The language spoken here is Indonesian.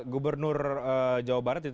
gubernur jawa barat